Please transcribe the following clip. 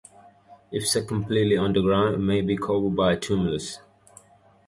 If set completely underground, it may be covered by a "tumulus".